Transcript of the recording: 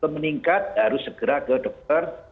meningkat harus segera ke dokter